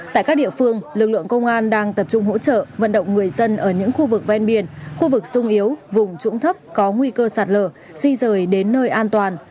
tại các địa phương lực lượng công an đang tập trung hỗ trợ vận động người dân ở những khu vực ven biển khu vực sung yếu vùng trũng thấp có nguy cơ sạt lở di rời đến nơi an toàn